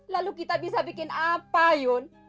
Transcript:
lalu kita bisa bikin apa yun